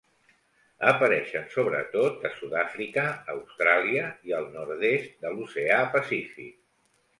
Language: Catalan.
Apareixen sobretot a Sud-àfrica, Austràlia i al nord-est de l'oceà Pacífic.